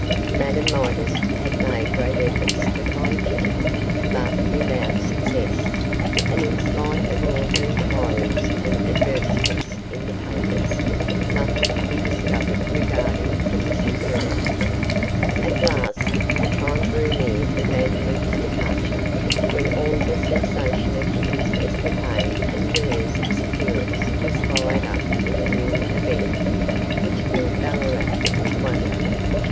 Madame Midas had made great efforts to find Kitty, but without success; and, in spite of all inquiries and advertisements in the papers, nothing could be discovered regarding the missing girl. At last the time drew near for Vandeloup's departure, when all the sensation of Kitty's escapade and Villiers' disappearance was swallowed up in a new event, which filled Ballarat with wonder.